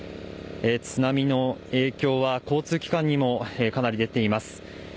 津波の影響は交通機関にもかなり出ています。